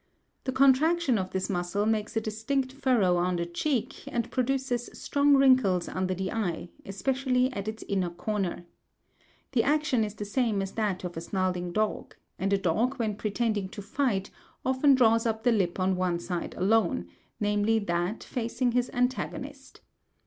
The contraction of this muscle makes a distinct furrow on the cheek, and produces strong wrinkles under the eye, especially at its inner corner. The action is the same as that of a snarling dog; and a dog when pretending to fight often draws up the lip on one side alone, namely that facing his antagonist.